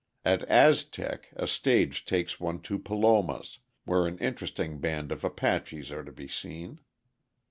At Aztec a stage takes one to Palomas, where an interesting band of Apaches are to be seen.